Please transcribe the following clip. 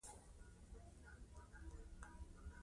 ساینس پوهانو ته د ککړتیا کچه معلومه کړي.